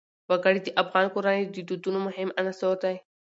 وګړي د افغان کورنیو د دودونو مهم عنصر دی.